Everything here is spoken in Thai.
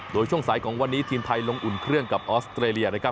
โดยช่วงสายของวันนี้ทีมไทยลงอุ่นเครื่องกับออสเตรเลียนะครับ